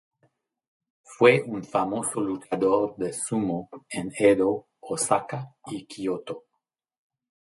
Fue un famoso luchador de sumo en Edo, Osaka y Kioto.